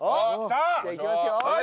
じゃあいきますよ。